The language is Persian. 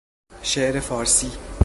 شعر فارسی